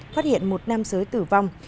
phát hiện một nam giới tử vong